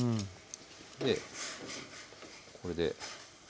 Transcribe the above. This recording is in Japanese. でこれで。